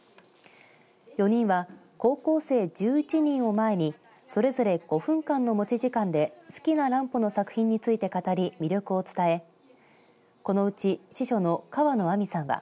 ４人は高校生１１人を前にそれぞれ５分間の持ち時間で好きな乱歩の作品について語り魅力を伝え、このうち司書の河野亜美さんは